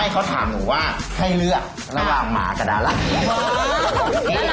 ก็ต้องเป็นผู้จัดการดารานะ